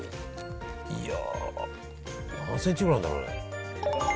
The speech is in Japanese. いや何センチぐらいあんだろうね。